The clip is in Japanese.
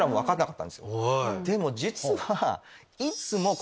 でも実は。